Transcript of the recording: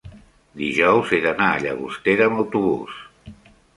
dijous he d'anar a Llagostera amb autobús.